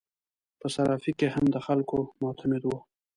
په صرافي کې هم د خلکو معتمد وو.